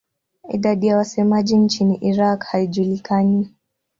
Idadi ya wasemaji nchini Iraq haijulikani.